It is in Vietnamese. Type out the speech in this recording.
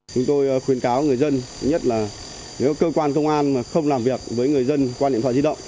chúng tôi khuyến cáo người dân nhất là nếu cơ quan công an mà không làm việc với người dân qua điện thoại di động